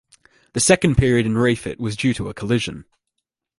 The second period in refit was due to a collision.